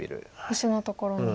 星のところに。